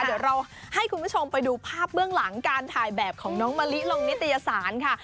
เดี๋ยวเราให้คุณผู้ชมไปดูภาพเบื้องหลังการถ่ายแบบของน้องมะลิลงนิตยสารค่ะ